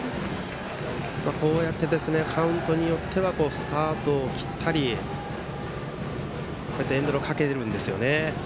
こうやってカウントによってはスタートを切ったりエンドランをかけてるんですよね。